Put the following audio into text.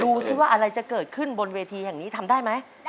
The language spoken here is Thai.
ซิว่าอะไรจะเกิดขึ้นบนเวทีแห่งนี้ทำได้ไหม